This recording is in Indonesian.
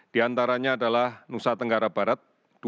di antaranya adalah nusa tenggara barat